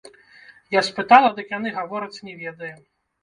Я спытала, дык яны гавораць, не ведаем.